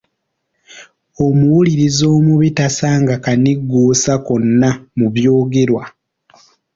Omuwuliriza omubi tasanga kanigguusa konna mu byogerwa!